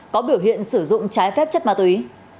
có biểu hiện sử dụng trái phép chất ma túy